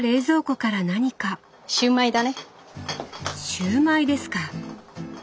シューマイですか。